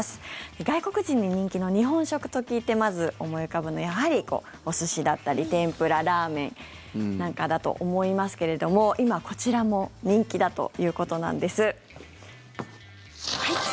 外国人に人気の日本食と聞いてまず思い浮かぶものはやはりお寿司だったり天ぷら、ラーメンなんかだと思いますけれども今、こちらも人気だということなんです。